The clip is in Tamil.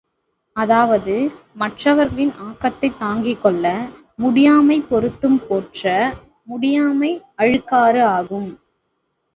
அதாவது மற்றவர்களின் ஆக்கத்தைத் தாங்கிக்கொள்ள முடியாமை பொறுத்துப் போற்ற முடியாமை அழுக்காறு ஆகும்!